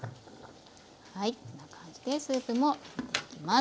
こんな感じでスープも盛っていきます。